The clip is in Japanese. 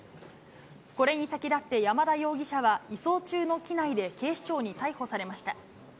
これに先立って山田容疑者は、移送中の機内で警視庁に逮捕されました。